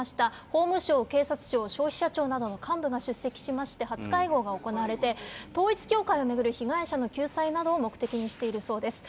法務省、警察庁、消費者庁などの幹部が出席しまして、初会合が行われ、統一教会を巡る被害者の救済などを目的にしているそうです。